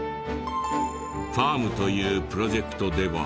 ファームというプロジェクトでは。